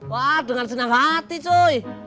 wah dengan senang hati cuy